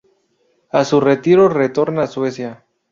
A su retiro retorno a Suecia.